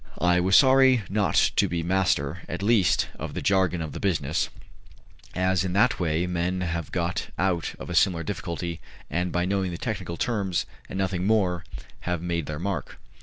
I was sorry not to be master, at least, of the jargon of the business, as in that way men have got out of a similar difficulty, and by knowing the technical terms, and nothing more, have made their mark.